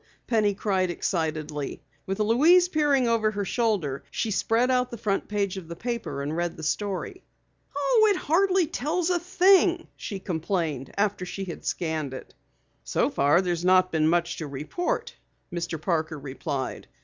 Penny cried excitedly. With Louise peering over her shoulder, she spread out the front page of the paper and read the story. "Oh, it hardly tells a thing!" she complained after she had scanned it. "So far there's not been much to report," Mr. Parker replied.